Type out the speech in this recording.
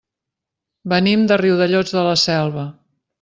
Venim de Riudellots de la Selva.